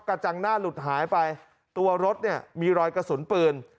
กระจังหน้าหลุดหายไปตัวรถเนี่ยมีรอยกระสุนปืน